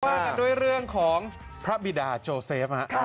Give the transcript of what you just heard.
ว่ากันด้วยเรื่องของพระบิดาโจเซฟ